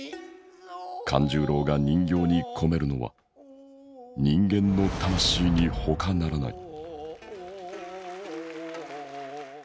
勘十郎が人形に込めるのは人間の「魂」にほかならない。